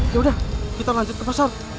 yaudah kita lanjut ke pasar